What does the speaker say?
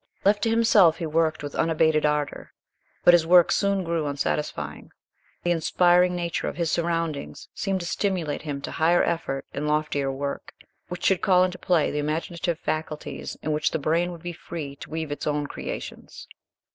Left to himself he worked with unabated ardor, but his work soon grew unsatisfying. The inspiring nature of his surroundings seemed to stimulate him to higher effort and loftier work, which should call into play the imaginative faculties and in which the brain would be free to weave its own creations.